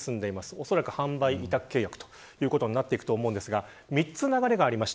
おそらく販売委託契約ということになると思うんですが３つ流れがあります。